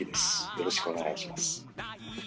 よろしくお願いします。